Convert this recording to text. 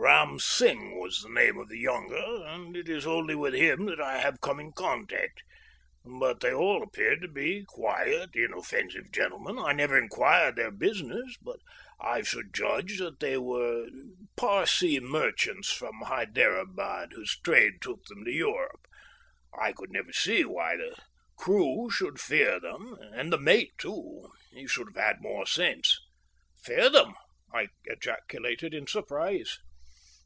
Ram Singh was the name of the younger, and it is only with him that I have come in contact, but they all appeared to be quiet, inoffensive gentlemen. I never inquired their business, but I should judge that they were Parsee merchants from Hyderabad whose trade took them to Europe. I could never see why the crew should fear them, and the mate, too, he should have had more sense." "Fear them!" I ejaculated in surprise.